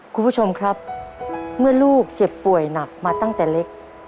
คุณผู้ชมครับเมื่อลูกเจ็บป่วยหนักมาตั้งแต่เล็ก